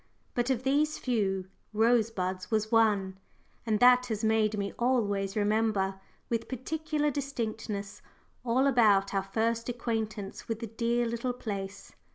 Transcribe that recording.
But of these few, Rosebuds was one, and that has made me always remember with particular distinctness all about our first acquaintance with the dear little place.